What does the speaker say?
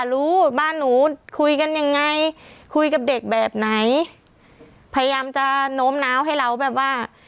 รู้บ้านหนูคุยกันยังไงคุยกับเด็กแบบไหนพยายามจะโน้มน้าวให้เราแบบว่า